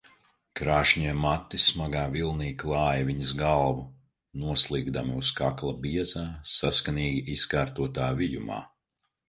Krāšņie mati smagā vilnī klāja viņas galvu, noslīgdami uz kakla biezā, saskanīgi izkārtotā vijumā.